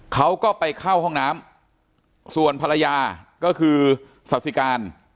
เขาก็ไปเข้าห้องน้ำส่วนภรรยาก็คือสาธิการ